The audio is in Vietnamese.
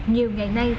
nhiều ngày nay